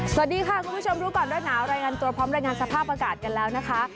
สวัสดีค่ะคุณผู้ชมรู้ก่อนร้อนหนาวรายงานตัวพร้อมรายงานสภาพอากาศกันแล้วนะคะ